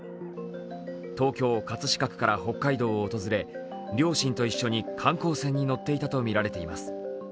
東京・葛飾区から北海道を訪れ両親と一緒に観光船に乗っていたとみられています。